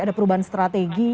ada perubahan strategi